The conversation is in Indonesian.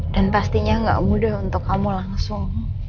dan pastinya gak mudah untuk kamu langsung